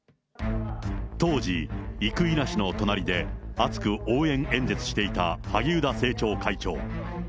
当時、生稲氏の隣で、熱く応援演説していた萩生田政調会長。